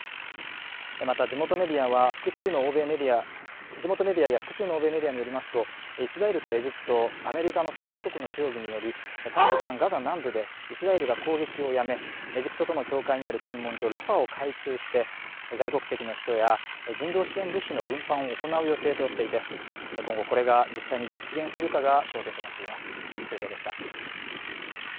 また、地元メディアや複数の欧米メディアによりますと、イスラエルとエジプト、アメリカの３か国の協議により、短時間ガザ南部でイスラエルが攻撃をやめエジプトとの境界にある検問所ラファを開通して外国籍の人や人道支援物資の運搬を行う予定としていて、今後これが実現するかが焦点となっています。